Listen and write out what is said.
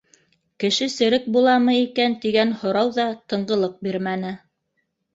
Кеше серек буламы икән тигән һорау ҙа тынғылыҡ бирмәне.